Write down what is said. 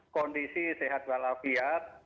kondisi sehat walafiat